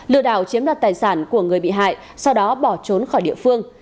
lừa đạo chiếm đặt tài sản của người bị hại sau đó bỏ trốn khỏi địa phương